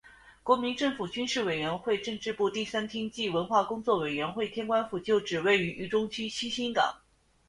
国民政府军事委员会政治部第三厅暨文化工作委员会天官府旧址位于渝中区七星岗。